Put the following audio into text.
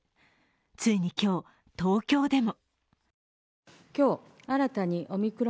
ついに今日、東京でも。